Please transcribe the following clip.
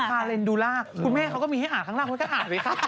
เลนดูล่าคุณแม่เขาก็มีให้อ่านข้างล่างเขาจะอ่านไหมคะ